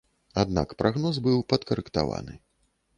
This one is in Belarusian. Аднак прагноз быў падкарэктаваны.